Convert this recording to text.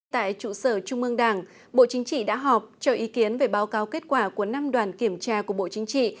tại trụ sở trung ương đảng bộ chính trị đã họp cho ý kiến về báo cáo kết quả của năm đoàn kiểm tra của bộ chính trị